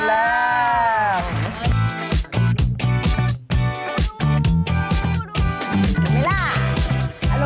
เห็นไหมล่ะ